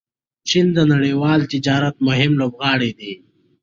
چین د نړیوال تجارت مهم لوبغاړی دی.